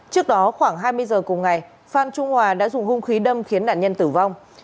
trước đó khoảng hai mươi giờ cùng ngày phan trung hòa đã dùng hung khí đâm khiến nạn nhân tử vong